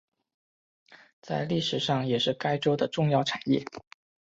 在历史上也是该州的重要产业。